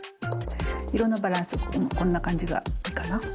色のバランスこんな感じがいいかな？